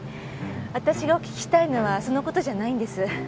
私がお聞きしたいのはその事じゃないんです。